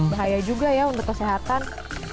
bahaya juga ya untuk kesehatan